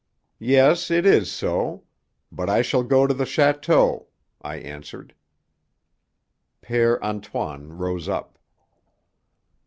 "Yes, it is so. But I shall go to the château," I answered. Père Antoine rose up.